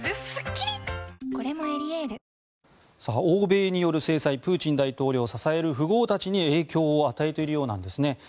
欧米による制裁プーチン大統領を支える富豪たちに影響を与えているようなんですね。